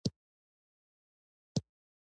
د شین چای خوند آرام بښونکی دی.